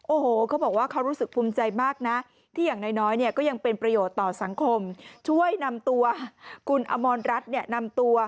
โอ้โหเขาบอกว่าเขารู้สึกภูมิใจมากนะ